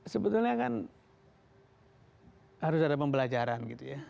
sebetulnya kan harus ada pembelajaran gitu ya